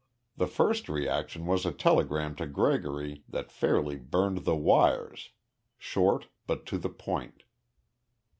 The first reaction was a telegram to Gregory that fairly burned the wires, short but to the point.